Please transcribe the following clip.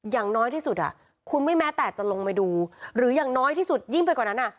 อย่างน้อยที่สุดคุณไม่แม้แต่จะลงไปดูหรืออย่างน้อยที่สุดยิ่งไปกว่านั้น